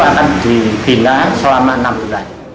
kita akan dipilih selama enam bulan